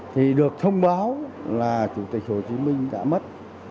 thì được thông báo là chủ tịch hồ chí minh đã mất